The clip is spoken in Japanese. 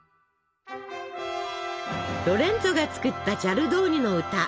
ロレンツォが作ったチャルドーニの歌。